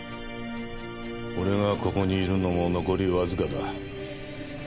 俺がここにいるのも残りわずかだ。